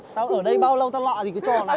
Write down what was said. tao ở đây bao lâu tao lạ gì cái trò này